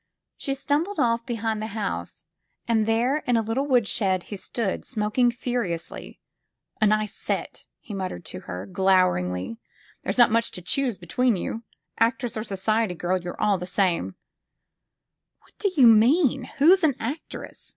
She stumbled off behind the house, and there in a lit tle woodshed he stood, smoking furiously. *' A nice set !" he muttered at her, glowering, "there's not much to choose between you! Actress or society girl, you're all the same thing." "What do you mean? Who's an actress?"